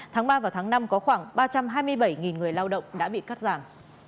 tháng ba và tháng năm có khoảng ba trăm hai mươi bảy người lao động đã bị cắt giảm